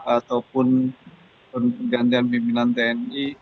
ataupun pergantian pimpinan tni